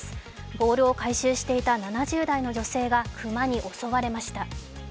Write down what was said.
ボールを回収していた７０代の女性が熊に襲われました。